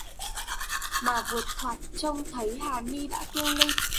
Mà vượt thoạt trông thấy hà ni đã kêu lên